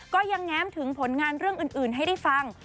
ก็ยังแง้มถึงผลงานเรื่องอื่นให้ได้ฟัง